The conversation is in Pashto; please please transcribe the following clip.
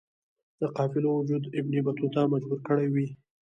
د قافلو وجود ابن بطوطه مجبور کړی وی.